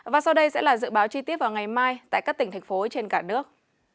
và sau đây sẽ là dự báo chi tiết vào ngày mai tại các tỉnh thành phố trên cả nước